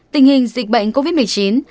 tình hình dịch bệnh covid một mươi chín